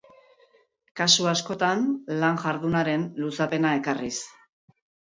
Kasu askotan, lan jardunaren luzapena ekarriz.